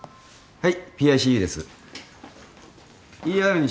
はい。